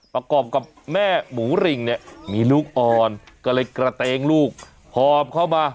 ประกอบกับแม่หมูริงเนี่ยมีลูกอ่อนก็เลยกระเตงลูกหอบเข้ามา